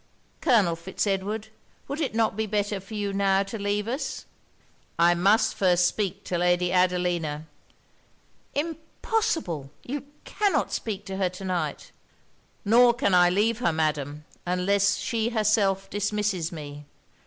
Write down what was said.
Colonel Fitz Edward, would it not be better for you now to leave us?' 'I must first speak to Lady Adelina.' 'Impossible! you cannot speak to her to night.' 'Nor can I leave her, Madam, unless she herself dismisses me.